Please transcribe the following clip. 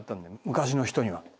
昔の人には。